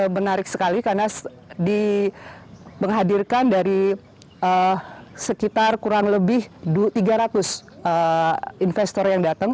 menarik sekali karena di menghadirkan dari sekitar kurang lebih tiga ratus investor yang datang